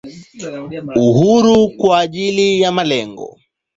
Uhuru kwa ajili ya malengo.